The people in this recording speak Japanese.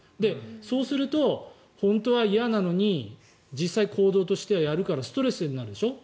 そうすると、本当は嫌なのに実際、行動としてはやるからストレスになるでしょ。